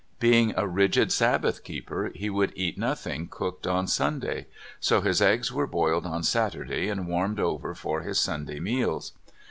Being a rigid Sabbath keeper, he would eat nothing cooked on Sunday. So his eggs were boiled on Saturday, and warmed over for his Sunday meals.